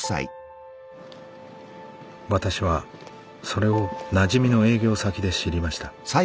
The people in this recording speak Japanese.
私はそれをなじみの営業先で知りました。